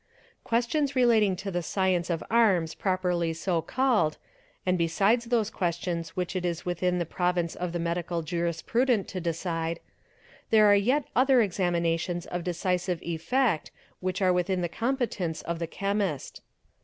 questions relating to the science of arms — properly so called, and besides those questions which it is within the — province of the medical jurisprudent to decide, there are yet other — examinations of decisive effect which are within the competence of the — chemist.